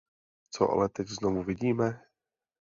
Co ale teď znovu vidíme?